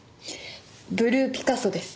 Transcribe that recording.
ブルーピカソです。